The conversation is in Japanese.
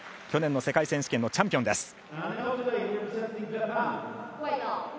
去年の世界選手権のチャンピオンです。